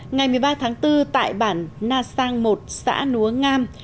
ngày một mươi ba tháng bốn tại bản na sang một xã núa ngam